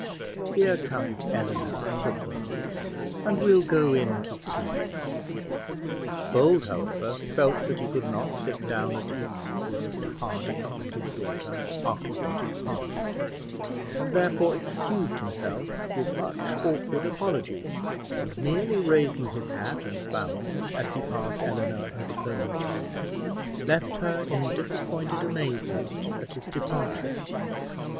Here comes Eleanor and the ponies, and we'll go in to tea." Bold, however, felt that he could not sit down at ease with Mr Harding and his daughter after what had passed, and therefore excused himself with much awkward apology; and merely raising his hat and bowing as he passed Eleanor and the pony chair, left her in disappointed amazement at his departure.